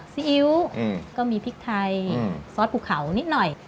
ซีอิ๊วก็มีพริกไทยซอสภูเขานิดหน่อย